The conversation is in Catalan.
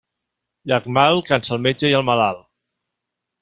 Llarg mal cansa el metge i el malalt.